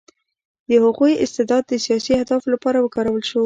د هغوی استعداد د سیاسي اهدافو لپاره وکارول شو